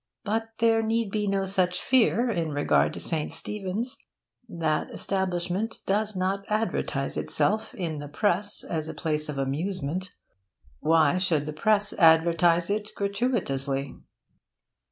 But there need be no such fear in regard to St. Stephen's. That establishment does not advertise itself in the press as a place of amusement. Why should the press advertise it gratuitously?